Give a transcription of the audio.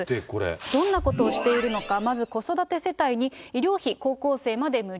どんなことをしているのか、まず子育て世帯に医療費、高校生まで無料。